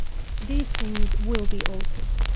21. These things will be altered.